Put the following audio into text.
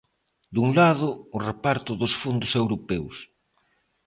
Dun lado, o reparto dos fondos europeos.